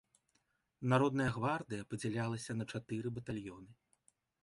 Народная гвардыя падзялялася на чатыры батальёны.